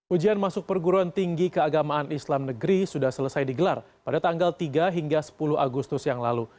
ujian masuk perguruan tinggi keagamaan islam negeri sudah selesai digelar pada tanggal tiga hingga sepuluh agustus yang lalu